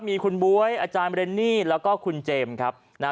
มีคุณบ๊วยอาจารย์เรนนี่แล้วก็คุณเจมส์ครับ